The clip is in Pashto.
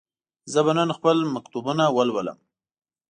زه به نن خپل مکتوبونه ولولم.